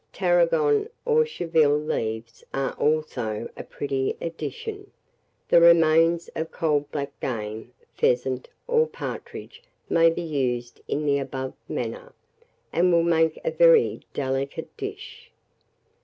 Tarragon or chervil leaves are also a pretty addition. The remains of cold black game, pheasant, or partridge may be used in the above manner, and will make a very delicate dish.